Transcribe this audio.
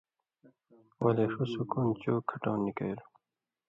ولے ݜُو سُکون چو کھٹؤں نِکَیلوۡ۔